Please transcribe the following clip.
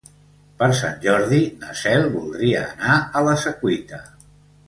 Per Sant Jordi na Cel voldria anar a la Secuita.